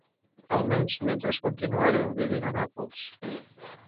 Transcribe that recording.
Almenys mentre continuara vivint a Nàpols.